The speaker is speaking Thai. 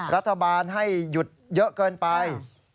รัฐบาลให้หยุดเยอะเกินไป